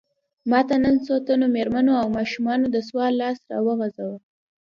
ماته نن څو تنو مېرمنو او ماشومانو د سوال لاس راوغځاوه.